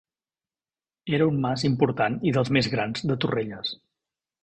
Era un mas important i dels més grans de Torrelles.